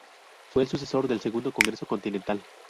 Fue el sucesor del Segundo Congreso Continental.